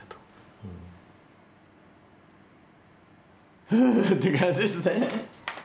ふうって感じですね。